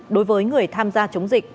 đối với người tham gia chống dịch